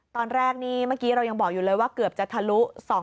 ตอนแรกนี่เมื่อกี้เรายังบอกอยู่เลยว่าเกือบจะทะลุ๒๐๐